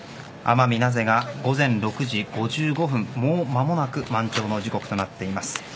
奄美、名瀬が午前６時５５分もう間もなく満潮の時刻となっています。